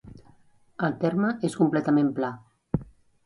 El terme és completament pla.